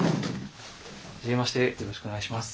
はじめましてよろしくお願いします。